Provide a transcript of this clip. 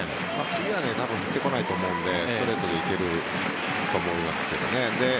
次は多分振ってこないと思うのでストレートでいけると思いますけどね。